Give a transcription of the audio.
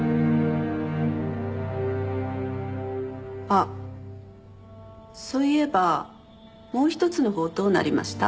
あっそういえばもう一つのほうどうなりました？